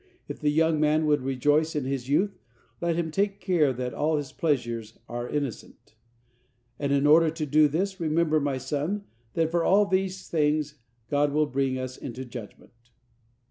If the young man would rejoice in his youth, let him take care that his pleasures are innocent; and in order to do this, remember, my son, that for all these things God will bring us into judgment."